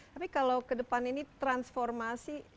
tapi kalau kedepan ini transformasi